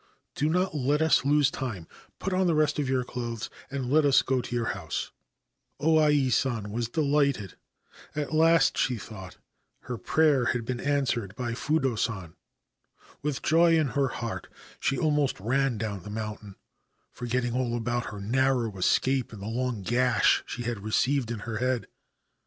Do not let us lose time : put on the rest of your clothes, and let us go to your house.' O Ai San was delighted. At last, she thought, her 1 60 How Masakuni regained his Sight prayer had been answered by Fudo San. With joy in her heart, she almost ran down the mountain, forgetting all about her own narrow escape and the long gash she had received in her head.